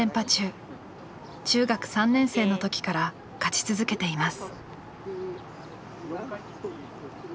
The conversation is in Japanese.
中学３年生の時から勝ち続けています。